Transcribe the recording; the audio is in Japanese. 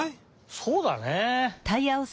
そうだね！